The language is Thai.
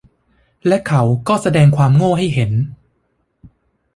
และเขาก็แสดงความโง่ให้เห็น